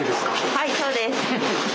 はいそうです。